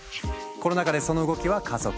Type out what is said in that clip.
コロナ禍でその動きは加速。